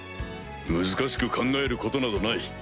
難しく考えることなどない。